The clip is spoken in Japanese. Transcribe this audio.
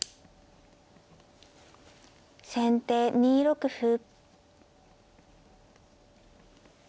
先手２六歩。